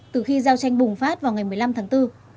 từ khi giao tranh bùng phát vào ngày một mươi năm tháng bốn